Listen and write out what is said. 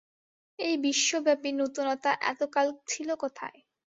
এই বিশ্বব্যাপী নূতনতা এতকাল ছিল কোথায়।